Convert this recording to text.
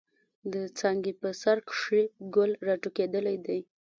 د څانګې په سر کښې ګل را ټوكېدلے دے۔